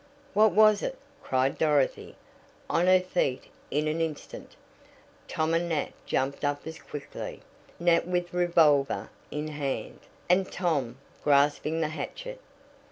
"What was it?" cried Dorothy, on her feet in an instant. Tom and Nat jumped up as quickly, Nat with revolver in hand, and Tom grasping the hatchet.